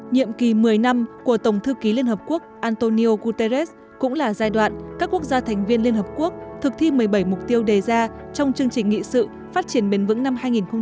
nhiệm kỳ một mươi năm của tổng thư ký liên hợp quốc antonio guterres cũng là giai đoạn các quốc gia thành viên liên hợp quốc thực thi một mươi bảy mục tiêu đề ra trong chương trình nghị sự phát triển bền vững năm hai nghìn ba mươi